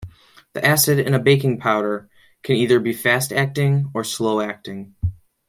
The acid in a baking powder can be either fast-acting or slow-acting.